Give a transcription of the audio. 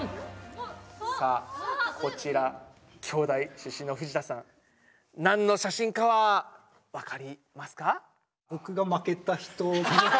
さあこちら京大出身の藤田さん何の写真かはわかりますか？